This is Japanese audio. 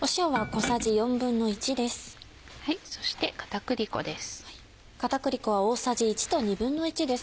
そして片栗粉です。